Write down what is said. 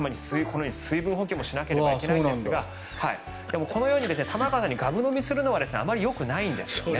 水分補給もしなきゃいけないんですがこのように玉川さんみたいにがぶ飲みするのはあまりよくないんです。